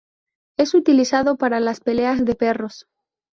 Es utilizado para las peleas de perros.